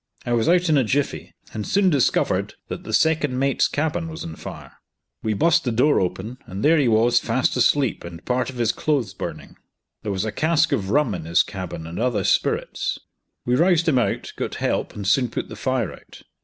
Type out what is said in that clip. I was out in a jiffy, and soon discovered that the second mate's cabin was on fire. We bust the door open, and there he was fast asleep, and part of his clothes burning. There was a cask of rum in his cabin and other spirits. We roused him out, got help, and soon put the fire out.